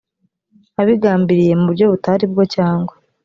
abigambiriye mu buryo butari bwo cyangwa